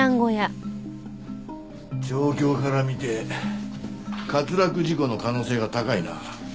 状況から見て滑落事故の可能性が高いな。